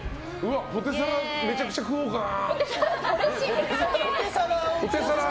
ポテサラめちゃくちゃ食おうかな。